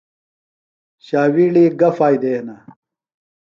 شاویڑی گہ فائدےۡ ہِنہ؟